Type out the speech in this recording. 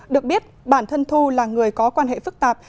được biết bản thân thu là người có quan hệ phức tạp